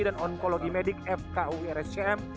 dan onkologi medik fkurscm